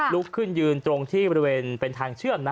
ลุกขึ้นยืนตรงที่บริเวณเป็นทางเชื่อม